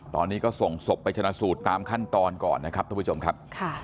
ตอนนี้ก็ส่งศพไปชนะสูตรตามขั้นตอนก่อนนะครับท่านผู้ชมครับ